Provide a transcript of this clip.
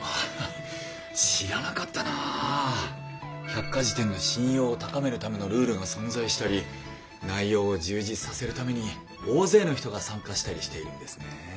百科事典の信用を高めるためのルールが存在したり内容を充実させるために大勢の人が参加したりしているんですね。